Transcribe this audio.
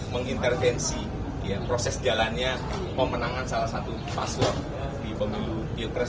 mengintervensi proses jalannya memenangkan salah satu password di pemilu pilkres dua ribu dua puluh